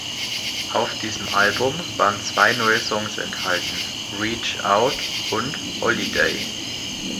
Auf diesem Album waren zwei neue Songs enthalten: "Reach Out" und "Holiday".